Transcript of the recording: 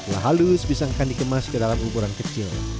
setelah halus pisang akan dikemas ke dalam ukuran kecil